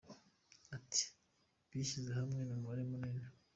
Ati « Bishyize hamwe ari umubare munini.